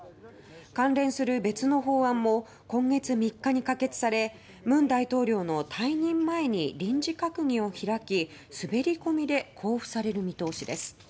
関連する別の法案も今月３日に可決され文大統領の退任前に臨時閣議を開き滑り込みで公布される見通しです。